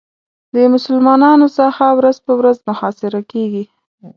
د مسلمانانو ساحه ورځ په ورځ محاصره کېږي.